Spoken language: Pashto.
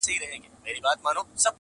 محتسب مي دي وهي په دُرو ارزي.